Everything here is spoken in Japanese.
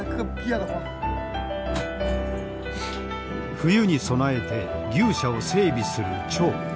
冬に備えて牛舎を整備する張。